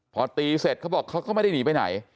พอตีเสร็จเขาบอกเขาก็ไม่ได้หนีไปไหน